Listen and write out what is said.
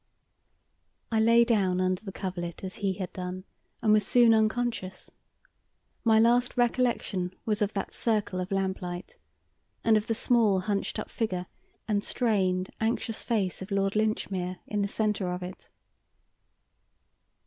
I lay down under the coverlet as he had done and was soon unconscious. My last recollection was of that circle of lamplight, and of the small, hunched up figure and strained, anxious face of Lord Linchmere in the centre of it.